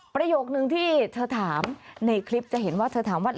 ประโยคนึงที่เธอถามในคลิปจะเห็นว่าเธอถามว่า